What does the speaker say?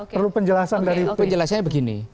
perlu penjelasan dari penjelasannya begini